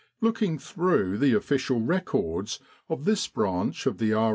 Looking through the official records of this branch of the R.